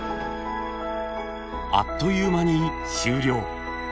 あっという間に終了。